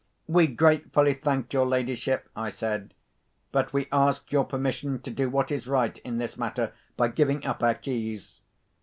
"We gratefully thank your ladyship," I said; "but we ask your permission to do what is right in this matter by giving up our keys.